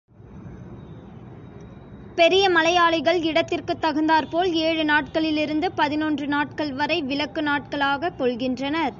பெரிய மலையாளிகள் இடத்திற்குத் தகுந்தாற்போல் ஏழு நாட்களிலிருந்து பதினொன்று நாட்கள் வரை விலக்கு நாட்களாகக் கொள்கின்றனர்.